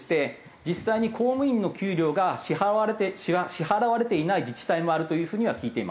実際に公務員の給料が支払われていない自治体もあるという風には聞いています。